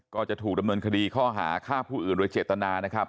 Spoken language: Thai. ก็จะถูกดำเนินคดีข้อหาฆ่าผู้อื่นโดยเจตนานะครับ